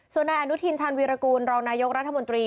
ส่วนอนุธินชันวีรกุรรองนายกรัฐมนตรี